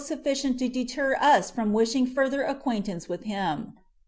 sufficient to deter us from wishing further acquaintance with him.